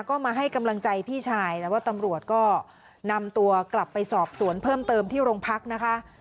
ก็มาให้กำลังใจพี่ชายแต่ว่าตำรวจก็นำตัวกลับไปสอบสวนเพิ่มเติมที่โรงพักนะคะ